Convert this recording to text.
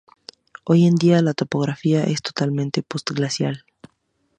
Hoy en día, la topografía es totalmente post-glacial.